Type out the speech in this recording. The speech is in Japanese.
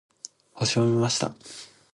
星を見ました。